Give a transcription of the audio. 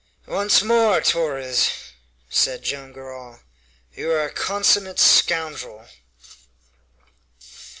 "Once more, Torres," said Joam Garral, "you are a consummate scoundrel."